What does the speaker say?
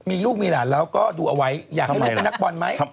มีลูกมีหลานแล้วก็ดูเอาไว้อยากให้ลูกเป็นนักบอลไหม